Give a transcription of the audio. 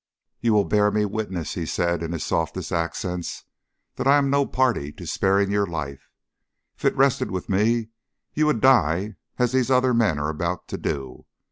"You will bear me witness," he said in his softest accents, "that I am no party to sparing your life. If it rested with me you would die as these other men are about to do.